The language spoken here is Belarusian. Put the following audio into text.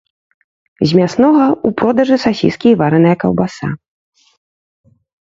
З мяснога ў продажы сасіскі і вараная каўбаса.